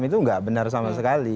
itu nggak benar sama sekali